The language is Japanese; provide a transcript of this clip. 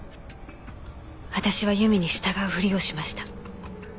私は由美に従うふりをしました。